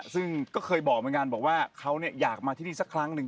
ซึ่งก็เคยบอกบางงานบอกว่าเขาเนี่ยอยากมาที่นี่สักครั้งนึง